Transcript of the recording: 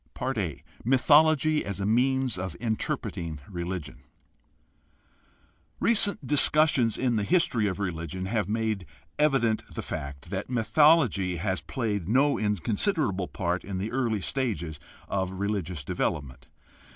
a) Mythology as a means of interpreting religion. — Recent discussions in the history of religion have made evident the fact that mythology has played no inconsiderable part in the early stages of religious development.